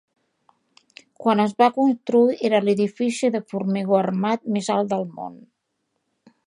Quan es va construir, era l'edifici de formigó armat més alt del món.